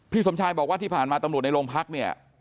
สมชายบอกว่าที่ผ่านมาตำรวจในโรงพักเนี่ย